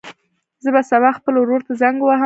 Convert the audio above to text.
زه به سبا خپل ورور ته زنګ ووهم.